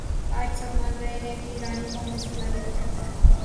آج سب مان رہے ہیں کہ ایرانی قوم میں صلاحیت ہے